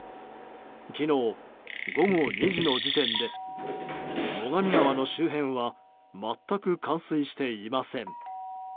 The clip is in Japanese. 昨日午後２時の時点で最上川の周辺は全く冠水していません。